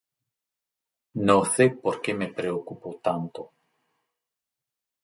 no sé por qué me preocupo tanto